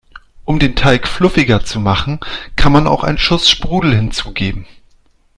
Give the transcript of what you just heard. Um den Teig fluffiger zu machen, kann man auch einen Schuss Sprudel hinzugeben.